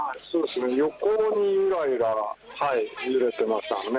横にゆらゆら揺れてましたね。